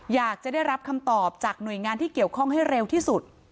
อยากจะได้รับคำตอบจากหน่วยงานที่เกี่ยวข้องให้เร็วที่สุด